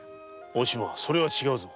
おしまそれは違うぞ。